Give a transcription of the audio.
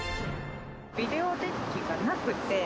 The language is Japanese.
ビデオデッキがなくて。